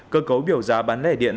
cơ cấu biểu giá bán lẻ điện